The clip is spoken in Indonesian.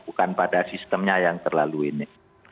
bukan pada sistemnya yang terlalu ini